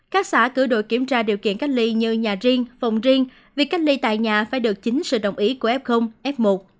các xã cử đội kiểm tra điều kiện cách ly như nhà riêng phòng riêng việc cách ly tại nhà phải được chính sự đồng ý của f f một